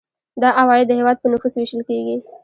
دا عواید د هیواد په نفوس ویشل کیږي.